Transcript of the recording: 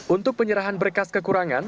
untuk penyerahan berkas kekurangan